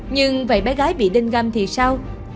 nhưng vậy bé gái bị đinh găm thì sao